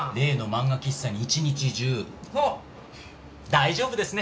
大丈夫ですね。